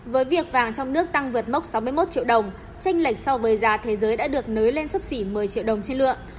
với việc vàng trong nước tăng vượt mốc sáu mươi một triệu đồng tranh lệch so với giá thế giới đã được nới lên sấp xỉ một mươi triệu đồng trên lượng